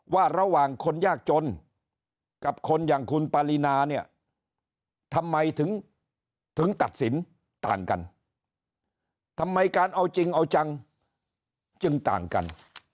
ว่าระหว่างคนยากจนกับคนอย่างคุณปารีนาเนี่ยทำไมถึงตัดสินต่างกันทำไมการเอาจริงเอาจังจึงต่างกัน